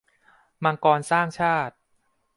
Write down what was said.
มังกรสร้างชาติ